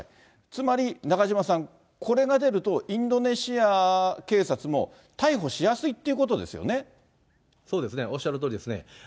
つまり中島さん、これが出るとインドネシア警察も、そうですね、おっしゃるとおりですね。